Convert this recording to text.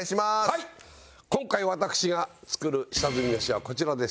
今回私が作る下積みメシはこちらです。